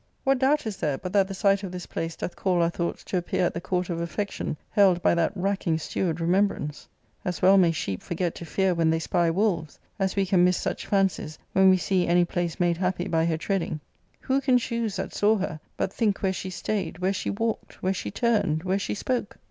What doubt is there but that the sight of this place doth call our thoughts to appear at the court of Affection, held by that racking steward Renoemhisuice ? As well may sheep forget to fear when they spy woly^^aswe can niiss suchi fancies, when' we see any place made happjr^byjier treading. Who can choose that saw her but think where she stayed, where she walked, where she turned, where she spoke